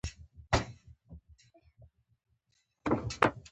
موږ له ښوونکي څخه زدهکړه کوو.